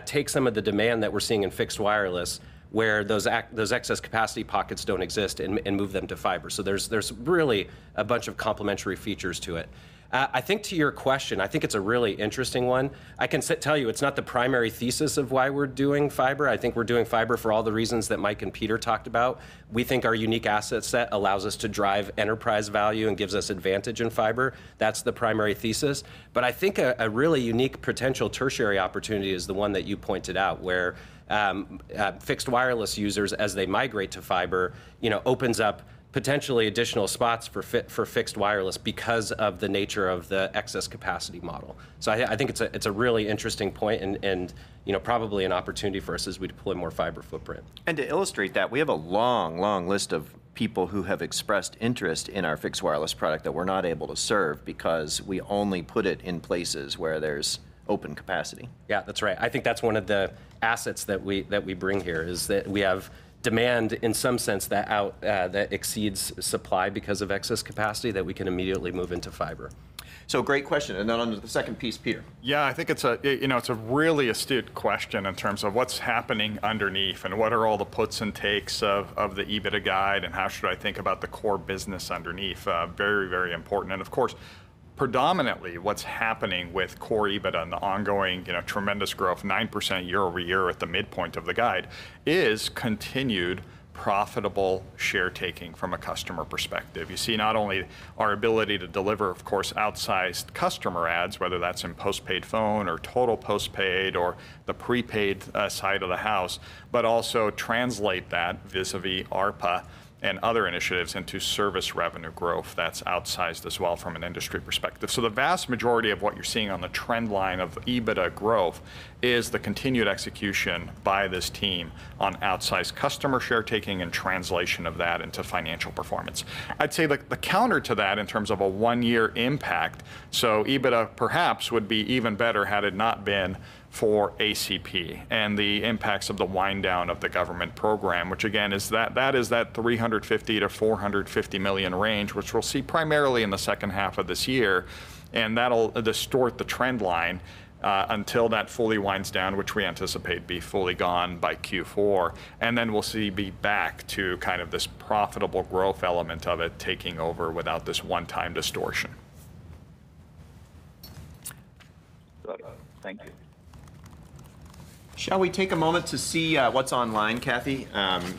take some of the demand that we're seeing in fixed wireless, where those excess capacity pockets don't exist, and move them to fiber. So there's really a bunch of complementary features to it. I think to your question, I think it's a really interesting one. I can tell you, it's not the primary thesis of why we're doing fiber. I think we're doing fiber for all the reasons that Mike and Peter talked about. We think our unique asset set allows us to drive enterprise value and gives us advantage in fiber. That's the primary thesis. But I think a really unique potential tertiary opportunity is the one that you pointed out, where fixed wireless users, as they migrate to fiber, you know, opens up potentially additional spots for fixed wireless because of the nature of the excess capacity model. So I think it's a really interesting point and you know, probably an opportunity for us as we deploy more fiber footprint. To illustrate that, we have a long, long list of people who have expressed interest in our fixed wireless product that we're not able to serve because we only put it in places where there's open capacity. Yeah, that's right. I think that's one of the assets that we, that we bring here, is that we have demand, in some sense, that exceeds supply because of excess capacity that we can immediately move into fiber. Great question. Then on the second piece, Peter. Yeah, I think it's a you know, it's a really astute question in terms of what's happening underneath and what are all the puts and takes of the EBITDA guide, and how should I think about the core business underneath? Very, very important. And of course, predominantly, what's happening with core EBITDA and the ongoing, you know, tremendous growth, 9% year-over-year at the midpoint of the guide, is continued profitable share taking from a customer perspective. You see not only our ability to deliver, of course, outsized customer adds, whether that's in postpaid phone or total postpaid or the prepaid side of the house, but also translate that vis-à-vis ARPA and other initiatives into service revenue growth that's outsized as well from an industry perspective. The vast majority of what you're seeing on the trend line of EBITDA growth is the continued execution by this team on outsized customer share taking and translation of that into financial performance. I'd say the counter to that in terms of a one-year impact, so EBITDA perhaps would be even better had it not been for ACP and the impacts of the wind down of the government program, which again, is that is that $350 million-$450 million range, which we'll see primarily in the second half of this year, and that'll distort the trend line until that fully winds down, which we anticipate be fully gone by Q4. And then we'll be back to kind of this profitable growth element of it taking over without this one-time distortion. Thank you. Shall we take a moment to see what's online, Cathy?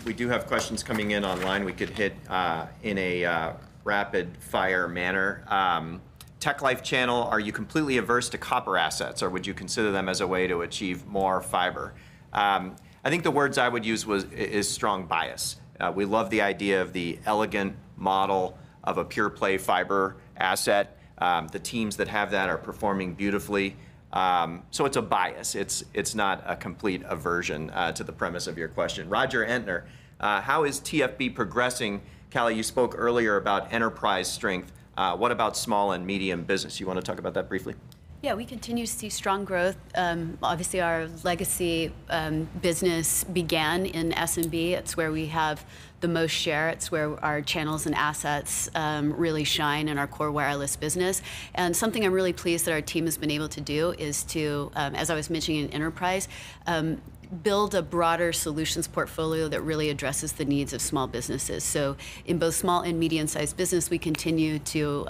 We do have questions coming in online. We could hit in a rapid-fire manner. Tech Life Channel: Are you completely averse to copper assets, or would you consider them as a way to achieve more fiber? I think the words I would use is strong bias. We love the idea of the elegant model of a pure play fiber asset. The teams that have that are performing beautifully. So it's a bias. It's not a complete aversion to the premise of your question. Roger Entner: How is T-Fiber progressing? Callie, you spoke earlier about enterprise strength. What about small and medium business? You want to talk about that briefly? Yeah, we continue to see strong growth. Obviously, our legacy business began in SMB. It's where we have the most share. It's where our channels and assets really shine in our core wireless business. And something I'm really pleased that our team has been able to do is to, as I was mentioning in enterprise, build a broader solutions portfolio that really addresses the needs of small businesses. So in both small and medium-sized business, we continue to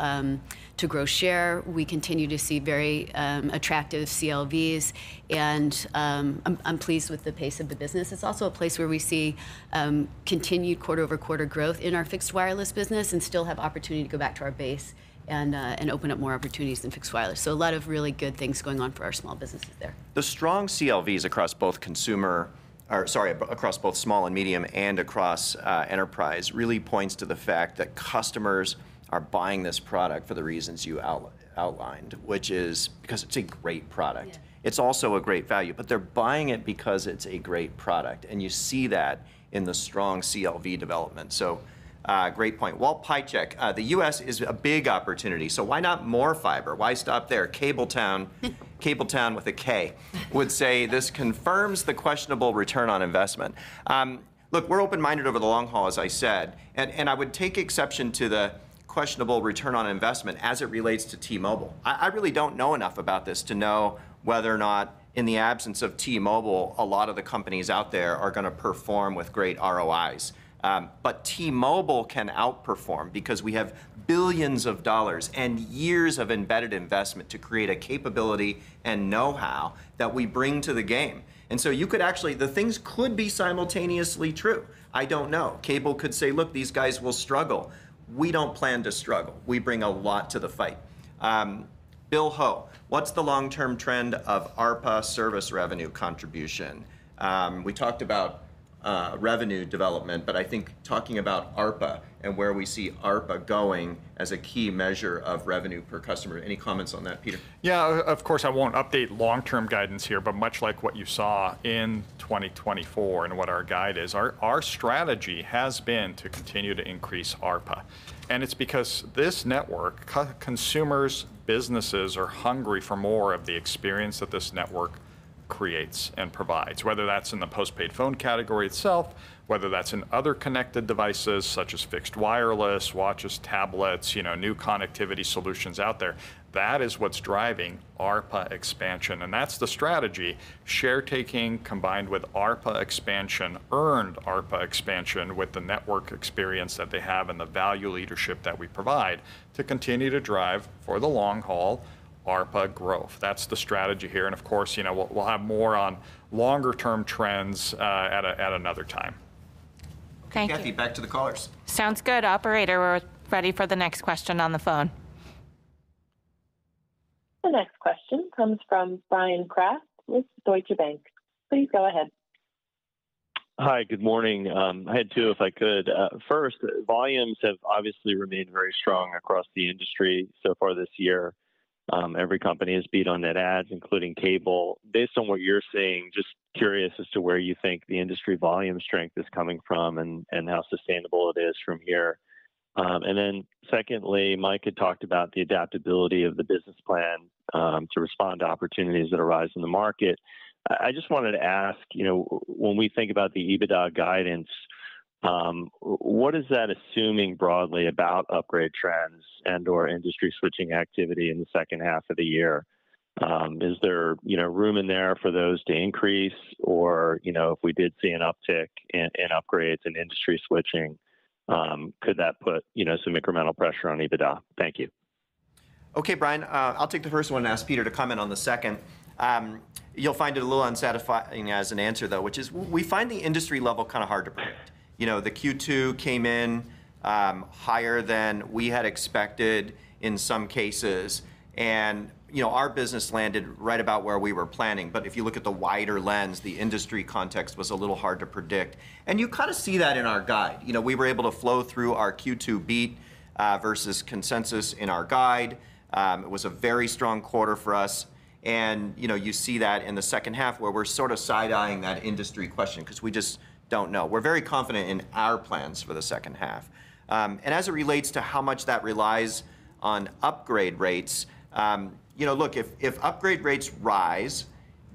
grow share, we continue to see very attractive CLVs, and, I'm pleased with the pace of the business. It's also a place where we see continued quarter-over-quarter growth in our fixed wireless business and still have opportunity to go back to our base and open up more opportunities in fixed wireless. So a lot of really good things going on for our small businesses there. The strong CLVs across both small and medium and across enterprise really points to the fact that customers are buying this product for the reasons you outlined, which is because it's a great product. It's also a great value, but they're buying it because it's a great product, and you see that in the strong CLV development. So, great point. Walt Piecyk, the U.S. is a big opportunity, so why not more fiber? Why stop there? Kabletown with a K would say, "This confirms the questionable return on investment." Look, we're open-minded over the long haul, as I said, and I would take exception to the questionable return on investment as it relates to T-Mobile. I really don't know enough about this to know whether or not in the absence of T-Mobile, a lot of the companies out there are gonna perform with great ROIs. But T-Mobile can outperform because we have billions of dollars and years of embedded investment to create a capability and know-how that we bring to the game. And so you could actually, the things could be simultaneously true. I don't know. Cable could say, "Look, these guys will struggle." We don't plan to struggle. We bring a lot to the fight. Bill Ho, what's the long-term trend of ARPA service revenue contribution? We talked about revenue development, but I think talking about ARPA and where we see ARPA going as a key measure of revenue per customer. Any comments on that, Peter? Yeah, of course, I won't update long-term guidance here, but much like what you saw in 2024 and what our guide is, our strategy has been to continue to increase ARPA. And it's because this network, consumers, businesses, are hungry for more of the experience that this network creates and provides, whether that's in the postpaid phone category itself, whether that's in other connected devices, such as fixed wireless, watches, tablets, you know, new connectivity solutions out there. That is what's driving ARPA expansion, and that's the strategy, share taking combined with ARPA expansion, earned ARPA expansion with the network experience that they have and the value leadership that we provide, to continue to drive, for the long haul, ARPA growth. That's the strategy here, and of course, you know, we'll have more on longer-term trends at another time. Thank you. Cathy, back to the callers. Sounds good. Operator, we're ready for the next question on the phone. The next question comes from Brian Kraft with Deutsche Bank. Please go ahead. Hi, good morning. I had two, if I could. First, volumes have obviously remained very strong across the industry so far this year. Every company has beat on net adds, including Cable. Based on what you're seeing, just curious as to where you think the industry volume strength is coming from and how sustainable it is from here. And then secondly, Mike had talked about the adaptability of the business plan to respond to opportunities that arise in the market. I just wanted to ask, you know, when we think about the EBITDA guidance, what is that assuming broadly about upgrade trends and/or industry switching activity in the second half of the year? Is there, you know, room in there for those to increase or, you know, if we did see an uptick in upgrades and industry switching, could that put, you know, some incremental pressure on EBITDA? Thank you. Okay, Brian, I'll take the first one and ask Peter to comment on the second. You'll find it a little unsatisfying as an answer, though, which is we find the industry level kind of hard to predict. You know, the Q2 came in higher than we had expected in some cases, and, you know, our business landed right about where we were planning. But if you look at the wider lens, the industry context was a little hard to predict, and you kind of see that in our guide. You know, we were able to flow through our Q2 beat versus consensus in our guide. It was a very strong quarter for us, and, you know, you see that in the second half, where we're sort of side-eyeing that industry question, 'cause we just don't know. We're very confident in our plans for the second half. And as it relates to how much that relies on upgrade rates, you know, look, if, if upgrade rates rise,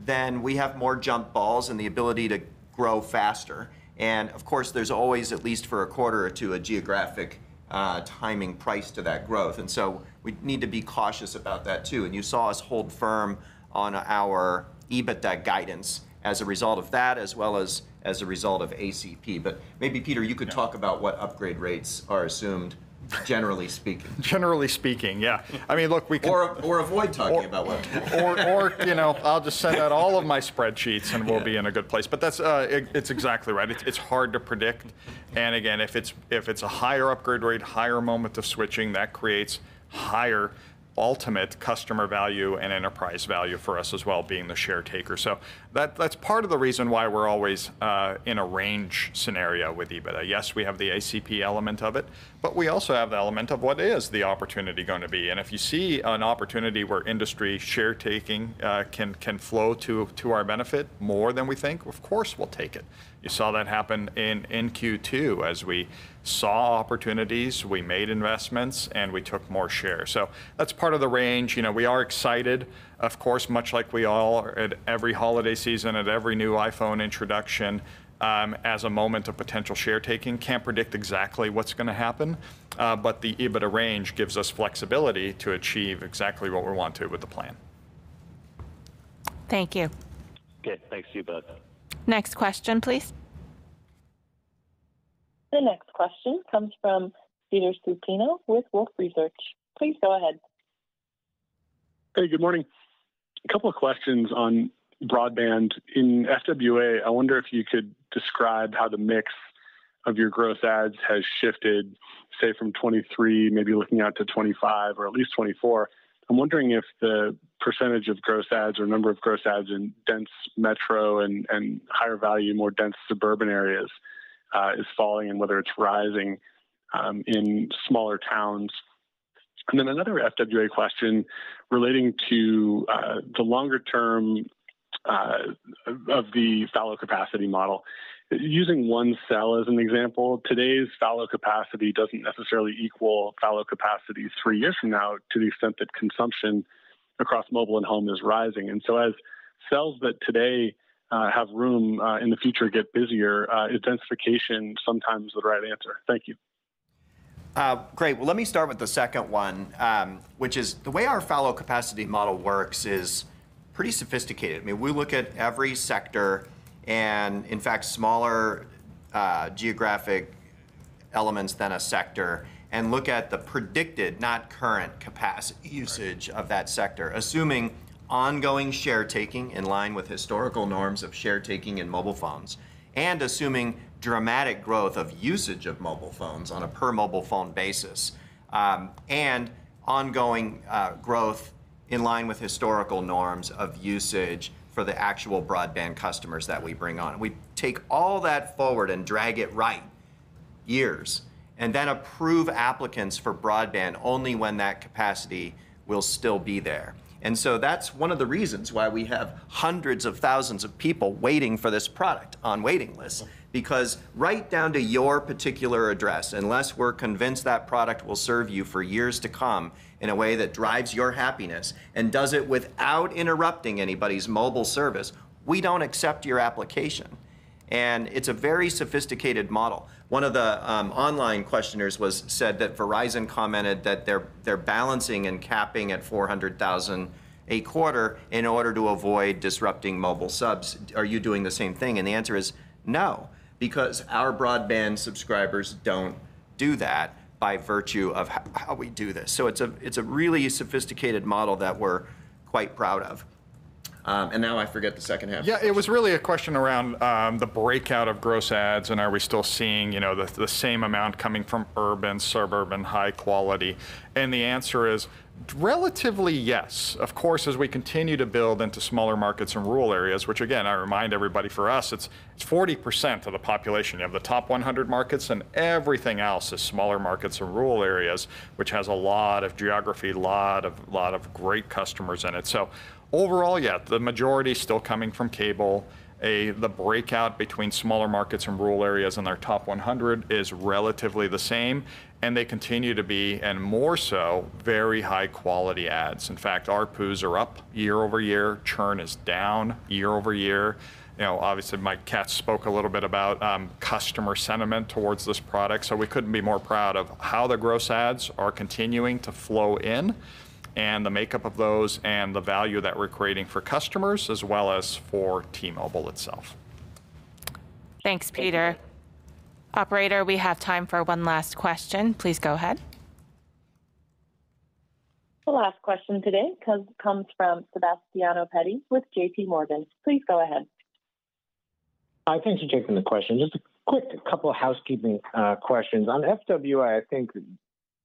then we have more jump balls and the ability to grow faster. And of course, there's always, at least for a quarter or two, a geographic, timing price to that growth, and so we need to be cautious about that too. And you saw us hold firm on our EBITDA guidance as a result of that, as well as, as a result of ACP. But maybe, Peter, you could talk about what upgrade rates are assumed, generally speaking. Generally speaking, yeah. I mean, look, we can or, you know, I'll just send out all of my spreadsheets and we'll be in a good place. But that's, it, it's exactly right. It's, it's hard to predict, and again, if it's, if it's a higher upgrade rate, higher moment of switching, that creates higher ultimate customer value and enterprise value for us as well, being the share taker. So that, that's part of the reason why we're always in a range scenario with EBITDA. Yes, we have the ACP element of it, but we also have the element of what is the opportunity going to be? And if you see an opportunity where industry share takin can flow to, to our benefit more than we think, of course we'll take it. You saw that happen in, in Q2. As we saw opportunities, we made investments, and we took more shares. So that's part of the range. You know, we are excited, of course, much like we all are at every holiday season, at every new iPhone introduction, as a moment of potential share taking. Can't predict exactly what's gonna happen, but the EBITDA range gives us flexibility to achieve exactly what we want to with the plan. Thank you. Good. Thanks to you both. Next question, please. The next question comes from Peter Supino with Wolfe Research. Please go ahead. Hey, good morning. A couple of questions on broadband. In FWA, I wonder if you could describe how the mix of your gross adds has shifted, say, from 2023, maybe looking out to 2025 or at least 2024. I'm wondering if the percentage of gross adds or number of gross adds in dense metro and higher value, more dense suburban areas is falling and whether it's rising in smaller towns. And then another FWA question relating to the longer term of the fallow capacity model. Using one cell as an example, today's fallow capacity doesn't necessarily equal fallow capacity three years from now, to the extent that consumption across mobile and home is rising. And so as cells that today have room in the future get busier, intensification is sometimes the right answer. Thank you. Great. Well, let me start with the second one, which is the way our fallow capacity model works is pretty sophisticated. I mean, we look at every sector and in fact, smaller geographic elements than a sector, and look at the predicted, not current, capacity usage of that sector, assuming ongoing share taking in line with historical norms of share taking in mobile phones, and assuming dramatic growth of usage of mobile phones on a per mobile phone basis, and ongoing growth in line with historical norms of usage for the actual broadband customers that we bring on. We take all that forward and drag it right, years, and then approve applicants for broadband only when that capacity will still be there. And so that's one of the reasons why we have hundreds of thousands of people waiting for this product on waiting lists. Because right down to your particular address, unless we're convinced that product will serve you for years to come in a way that drives your happiness and does it without interrupting anybody's mobile service, we don't accept your application, and it's a very sophisticated model. One of the online questioners said that Verizon commented that they're balancing and capping at 400,000 a quarter in order to avoid disrupting mobile subs. Are you doing the same thing? And the answer is no, because our broadband subscribers don't do that by virtue of how we do this. So it's a really sophisticated model that we're quite proud of. And now I forget the second half. Yeah, it was really a question around the breakout of gross adds, and are we still seeing, you know, the same amount coming from urban, suburban, high quality? And the answer is relatively yes. Of course, as we continue to build into smaller markets and rural areas, which again, I remind everybody, for us, it's 40% of the population. You have the top 100 markets, and everything else is smaller markets or rural areas, which has a lot of geography, a lot of great customers in it. So overall, yet, the majority is still coming from cable. The breakout between smaller markets and rural areas in our top 100 is relatively the same, and they continue to be, and more so, very high-quality adds. In fact, ARPUs are up year-over-year, churn is down year-over-year. You know, obviously, Mike Katz spoke a little bit about, customer sentiment towards this product, so we couldn't be more proud of how the gross adds are continuing to flow in, and the makeup of those, and the value that we're creating for customers, as well as for T-Mobile itself. Thanks, Peter. Operator, we have time for one last question. Please go ahead. The last question today comes from Sebastiano Petti with JPMorgan. Please go ahead. Hi, thanks for taking the question. Just a quick couple of housekeeping questions. On FWA, I think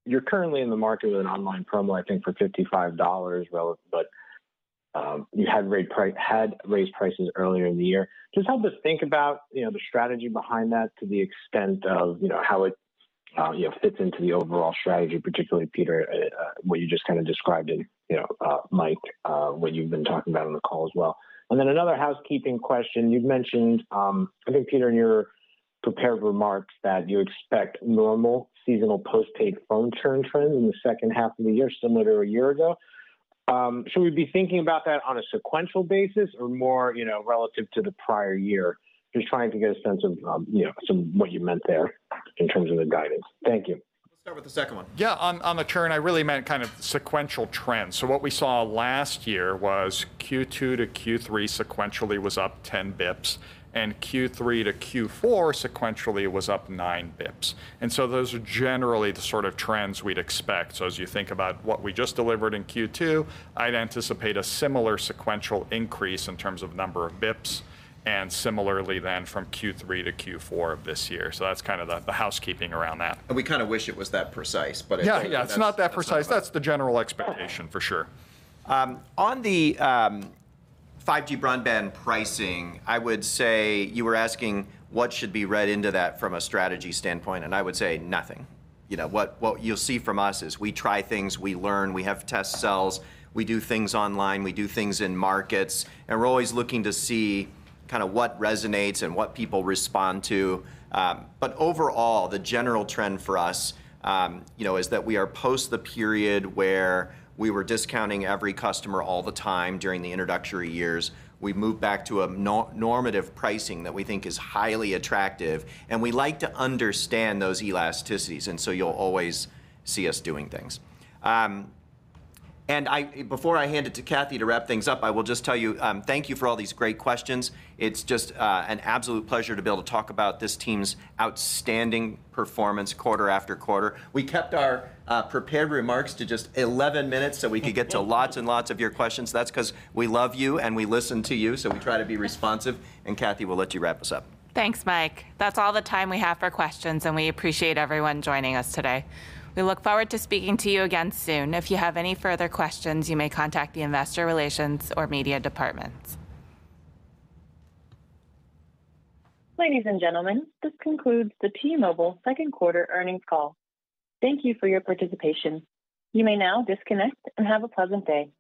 you're currently in the market with an online promo, I think, for $55 relative, but you had raised prices earlier in the year. Just help us think about, you know, the strategy behind that to the extent of, you know, how it, you know, fits into the overall strategy, particularly Peter, what you just kind of described and, you know, Mike, what you've been talking about on the call as well. And then another housekeeping question. You've mentioned, I think, Peter, in your prepared remarks, that you expect normal seasonal postpaid phone churn trends in the second half of the year, similar to a year ago. Should we be thinking about that on a sequential basis or more, you know, relative to the prior year? Just trying to get a sense of, you know, somewhat what you meant there in terms of the guidance. Thank you. Let's start with the second one. Yeah, on, on the churn, I really meant kind of sequential trends. So what we saw last year was Q2 to Q3 sequentially was up 10 bips, and Q3 to Q4 sequentially was up 9 bips. And so those are generally the sort of trends we'd expect. So as you think about what we just delivered in Q2, I'd anticipate a similar sequential increase in terms of number of bips, and similarly then from Q3 to Q4 of this year. So that's kind of the, the housekeeping around that. And we kinda wish it was that precise, but- Yeah, yeah, it's not that precise. That's the general expectation, for sure. On the 5G broadband pricing, I would say you were asking what should be read into that from a strategy standpoint, and I would say nothing. You know, what you'll see from us is we try things, we learn, we have test cells, we do things online, we do things in markets, and we're always looking to see kinda what resonates and what people respond to. But overall, the general trend for us, you know, is that we are post the period where we were discounting every customer all the time during the introductory years. We've moved back to a normative pricing that we think is highly attractive, and we like to understand those elasticities, and so you'll always see us doing things. Before I hand it to Cathy to wrap things up, I will just tell you, thank you for all these great questions. It's just, an absolute pleasure to be able to talk about this team's outstanding performance quarter after quarter. We kept our, prepared remarks to just 11 minutes, so we could get to lots and lots of your questions. That's because we love you, and we listen to you, so we try to be responsive. And Cathy, we'll let you wrap us up. Thanks, Mike. That's all the time we have for questions, and we appreciate everyone joining us today. We look forward to speaking to you again soon. If you have any further questions, you may contact the Investor Relations or Media Departments. Ladies and gentlemen, this concludes the T-Mobile second quarter earnings call. Thank you for your participation. You may now disconnect and have a pleasant day.